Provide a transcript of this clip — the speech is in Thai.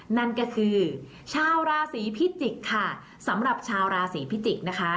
นั่นก็คือชาวราศีพิจิกค่ะสำหรับชาวราศีพิจิกษ์นะคะ